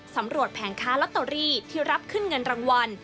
แผงค้าลอตเตอรี่ที่รับขึ้นเงินรางวัล